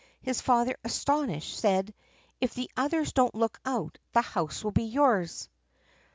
His father, astonished, said: "If the others don't look out, the house will be yours."